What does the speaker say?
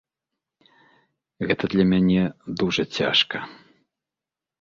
Гэта для мяне дужа цяжка.